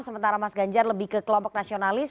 sementara mas ganjar lebih ke kelompok nasionalis